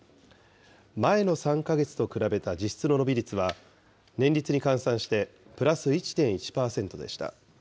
前の３か月と比べた実質の伸び率は、年率に換算してプラス１．１％でした。